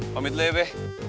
pamit lu ya be